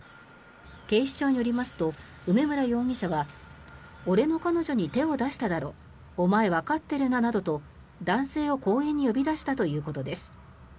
警視庁によりますと梅村容疑者は俺の彼女に手を出しただろお前わかっているななどと男性を公園に呼び出したということです。